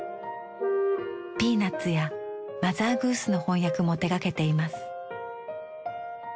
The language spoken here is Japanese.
「ピーナッツ」や「マザー・グース」の翻訳も手がけています。